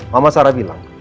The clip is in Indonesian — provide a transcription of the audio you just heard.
mama sarah bilang